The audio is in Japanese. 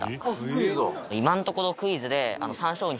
今のところクイズで。